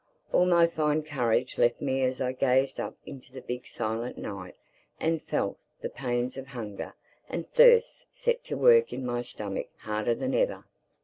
All my fine courage left me as I gazed up into the big silent night and felt the pains of hunger and thirst set to work in my stomach harder than ever.